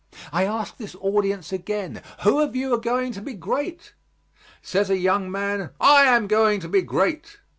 I ask this audience again who of you are going to be great? Says a young man: "I am going to be great."